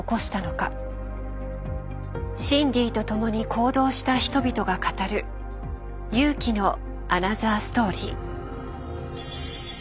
シンディとともに行動した人々が語る勇気のアナザーストーリー。